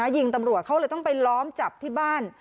ยิงตำรวจเขาเลยต้องไปล้อมจับที่บ้าน